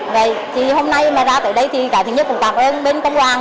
vậy thì hôm nay mà ra tới đây thì cả thịnh nhất cũng cảm ơn bên công an